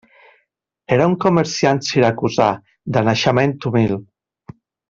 Era un comerciant siracusà de naixement humil.